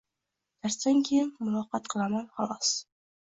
Darsdan keyin muloqat qilaman holos.